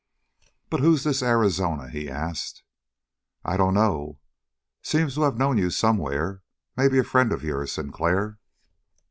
"But who's this Arizona?" he asked. "I dunno. Seems to have known you somewhere. Maybe a friend of yours, Sinclair?"